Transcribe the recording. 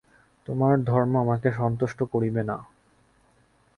তোমার ধর্ম আমাকে সন্তুষ্ট করিবে না।